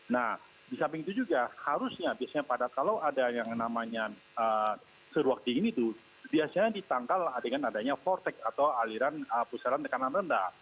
nah di samping itu juga harusnya biasanya pada kalau ada yang namanya seruak dingin itu biasanya ditangkal dengan adanya fortex atau aliran pusaran tekanan rendah